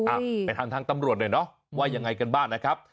อ้าวไปทางตำรวจด้วยเนอะว่ายังไงกันบ้างนะครับ